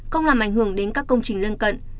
không làm ảnh hưởng đến các công trình lân cận